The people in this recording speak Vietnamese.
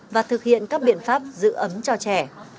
và thực hiện các biện pháp giữ ấm cho trẻ